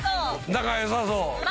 仲良さそう。